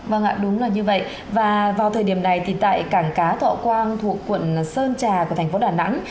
vâng ạ đúng là như vậy và vào thời điểm này thì tại cảng cá thọ quang thuộc quận sơn trà của thành phố đà nẵng